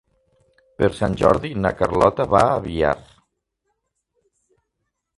Per Sant Jordi na Carlota va a Biar.